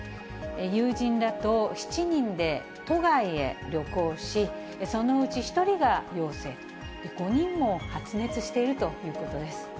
友人らと７人で都外へ旅行し、そのうち１人が陽性、５人も発熱しているということです。